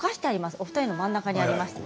お二人の真ん中にあります。